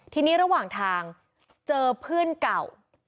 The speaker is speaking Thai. ทีนี้ระหว่างทางเจอเพื่อนเก่า